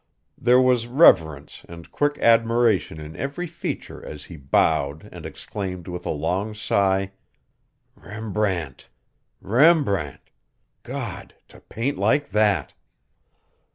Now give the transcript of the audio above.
There was reverence and quick admiration in every feature as he bowed and exclaimed with a long sigh: "Rembrandt! Rembrandt! God! to paint like that!"